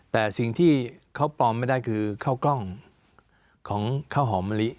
แต่สิ่งที่เขาปลอมไม่ได้คือข้าวกล้องของข้าวหอมมะลิ